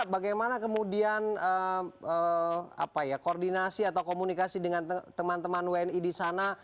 bagaimana kemudian koordinasi atau komunikasi dengan teman teman wni di sana